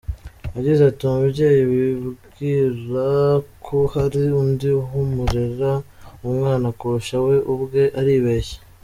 Yagize ati “Umubyeyi wibwira ko hari undi wamurerera umwana kurusha we ubwe aribeshya.